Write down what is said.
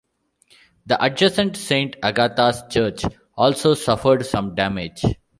The adjacent Saint Agatha's Church also suffered some damage.